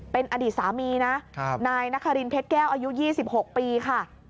เป็นอดีตสามีนะนายนครินเพชรแก้วอายุ๒๖ปีค่ะ